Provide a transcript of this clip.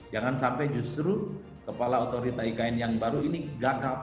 jangan sampai justru kepala otorita ikn yang baru ini gagap